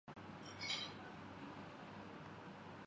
اس کے انتظامات کی نگرانی کیلئے آئے تھے